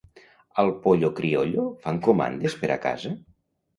Al Pollo Criollo fan comandes per a casa?